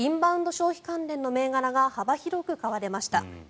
消費関連の銘柄が幅広く買われました。